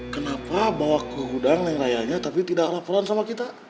kenapa bawa ke gudang lain rayanya tapi tidak laporan sama kita